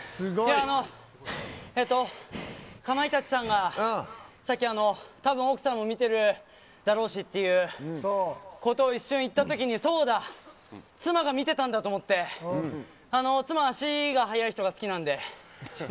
かまいたちさんがさっき、たぶん奥さんも見ているだろうしということを一瞬、言ったときにそうだ、妻が見てたんだと思って妻は足が速い人が好きなので。